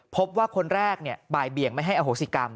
คนแรกบ่ายเบี่ยงไม่ให้อโหสิกรรม